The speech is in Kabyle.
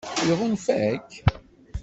Iɣunfa-k?